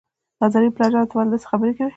نازنين: پلار جانه ته ولې داسې خبرې کوي؟